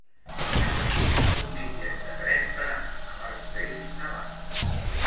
Necessito un bitllet de tren per anar a Martorell demà.